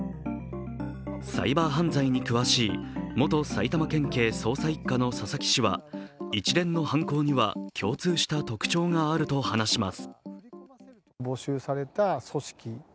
サイバー犯罪に詳しい元埼玉県警捜査一課の佐々木氏は一連の犯行には共通した特徴があると話します。